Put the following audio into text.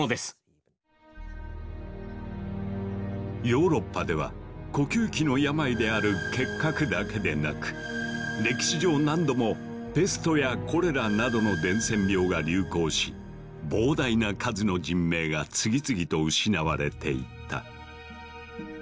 ヨーロッパでは呼吸器の病である結核だけでなく歴史上何度もペストやコレラなどの伝染病が流行し膨大な数の人命が次々と失われていった。